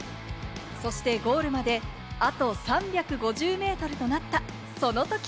そしてゴールまであと３５０ｍとなったその時。